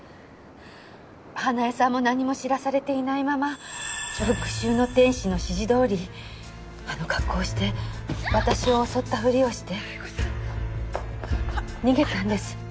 花絵さんも何も知らされていないまま復讐の天使の指示どおりあの格好をして私を襲ったふりをして逃げたんです。